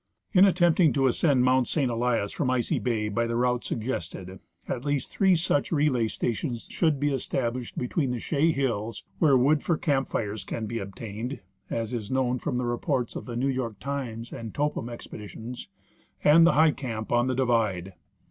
In attempting to ascend Mount St. Elias from Icy bay by the route suggested, at least three such relay stations should be established between the Chaix hills, where wood for camp fires can be obtained (as is known from the reports of the New York Times and Topham expeditions), and the high camp on the divide.